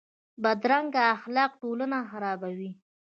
بدرنګه اخلاق ټولنه خرابوي